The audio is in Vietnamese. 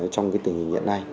trong cái tình hình hiện nay